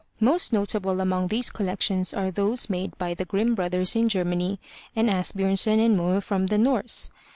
Most notable among these collections are those made by the Grimm Brothers in Germany, and Asbjornsen and Moe from the Norse.